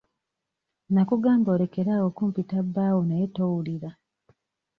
Nnakugamba olekere awo okumpita bbaawo naye towulira.